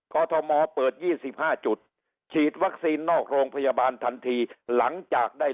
อทมเปิด๒๕จุดฉีดวัคซีนนอกโรงพยาบาลทันทีหลังจากได้